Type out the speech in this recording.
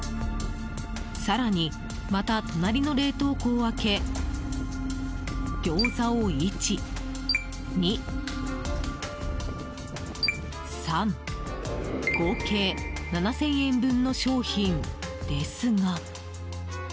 更に、また隣の冷凍庫を開けギョーザを１、２、３。合計７０００円分の商品ですが。